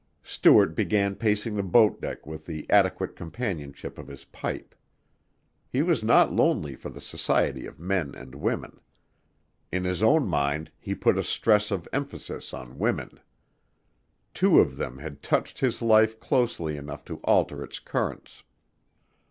Stuart began pacing the boat deck with the adequate companionship of his pipe. He was not lonely for the society of men and women. In his own mind he put a stress of emphasis on women. Two of them had touched his life closely enough to alter its currents.